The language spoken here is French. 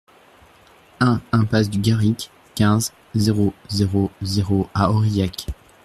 un impasse du Garric, quinze, zéro zéro zéro à Aurillac